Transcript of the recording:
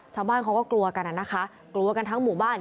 ชาวบ้านเขาก็กลัวกันนะคะกลัวกันทั้งหมู่บ้าน